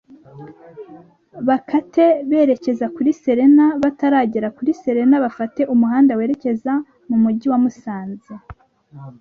bakate berekeza kuri Serena bataragera kuri Serena bafate umuhanda werekeza mu mujyi wa musanze